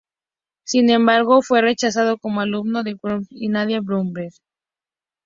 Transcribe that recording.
Sin embargo, fue rechazado como alumno por Maurice Ravel y Nadia Boulanger.